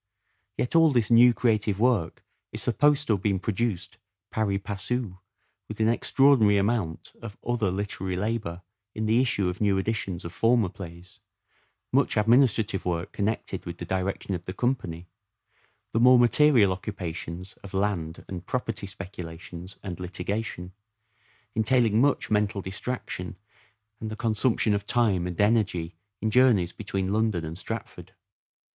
Yet all this new creative work is supposed to have been produced pari passu with an extraordinary amount of other literary labour in the issue of new editions of former plays, much administrative work connected with the direction of the company, the more material occupations of land and property speculations and litigation, entailing much mental distraction and the consumption of time and energy in journeys between London and Stratford.